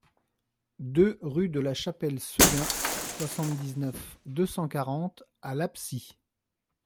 deux rue de la Chapelle Seguin, soixante-dix-neuf, deux cent quarante à L'Absie